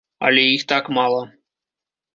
Але іх так мала.